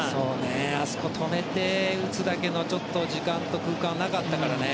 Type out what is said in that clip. あそこ、止めて打つだけの時間と空間はなかったからね。